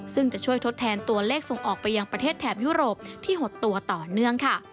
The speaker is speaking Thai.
ซึ่งจะช่วยทดแทนตัวเลขส่งออกไปยังประเทศแถบยุโรปที่หดตัวต่อเนื่องค่ะ